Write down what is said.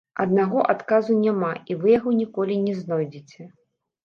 Аднаго адказу няма, і вы яго ніколі не знойдзеце.